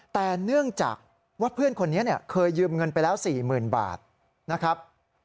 แต่เนื่องจากว่าเพื่อนคนนี้เคยยืมเงินไปแล้ว๔๐๐๐บาทนะครับ